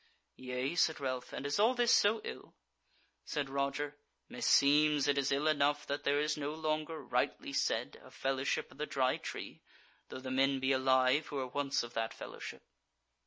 "Yea," said Ralph, "and is all this so ill?" Said Roger, "Meseems it is ill enough that there is no longer, rightly said, a Fellowship of the Dry Tree, though the men be alive who were once of that fellowship."